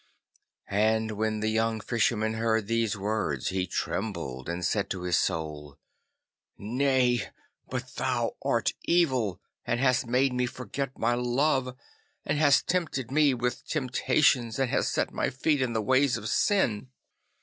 And when the young Fisherman heard these words he trembled and said to his Soul, 'Nay, but thou art evil, and hast made me forget my love, and hast tempted me with temptations, and hast set my feet in the ways of sin.